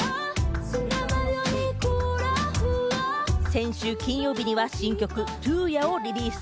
先週金曜日には新曲『Ｔｕｙａ』をリリース。